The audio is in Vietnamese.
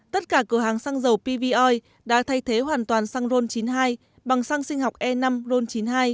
tất cả cửa hàng xăng dầu pvoi đã thay thế hoàn toàn xăng ron chín mươi hai bằng xăng sinh học e năm ron chín mươi hai